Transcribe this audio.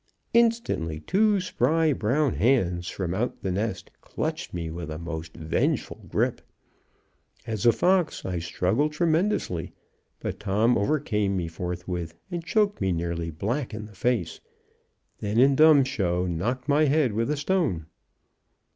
Instantly two spry brown hands from out the nest clutched me with a most vengeful grip. As a fox, I struggled tremendously. But Tom overcame me forthwith, choked me nearly black in the face, then, in dumb show, knocked my head with a stone.